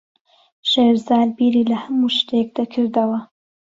شێرزاد بیری لە هەموو شتێک دەکردەوە.